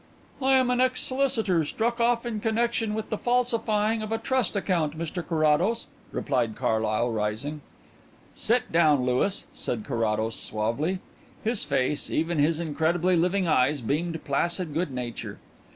"I am an ex solicitor, struck off in connexion with the falsifying of a trust account, Mr Carrados," replied Carlyle, rising. "Sit down, Louis," said Carrados suavely. His face, even his incredibly living eyes, beamed placid good nature.